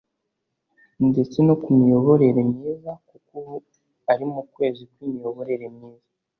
ndetse no ku miyoborere myiza kuko ubu ari mu kwezi kw’imiyoborere myiza